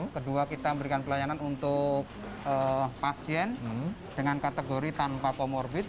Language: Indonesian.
kedua kita memberikan pelayanan untuk pasien dengan kategori tanpa komorbid